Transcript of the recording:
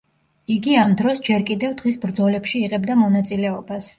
იგი ამ დროს ჯერ კიდევ დღის ბრძოლებში იღებდა მონაწილეობას.